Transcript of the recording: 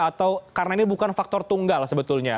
atau karena ini bukan faktor tunggal sebetulnya